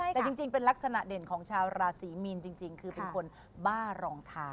แต่จริงเป็นลักษณะเด่นของชาวราศีมีนจริงคือเป็นคนบ้ารองเท้า